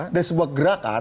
dari sebuah gerakan